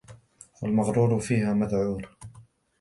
وَالْمَغْرُورُ فِيهَا مَذْعُورٌ